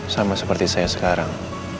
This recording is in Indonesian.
sama seperti saya sekarang